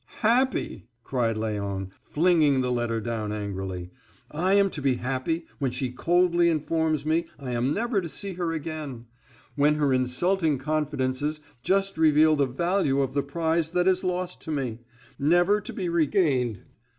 "Happy!" cried Léon, flinging the letter down angrily. "I am to be happy when she coldly informs me I am never to see her again; when her insulting confidences just reveal the value of the prize that is lost to me, never to be regained!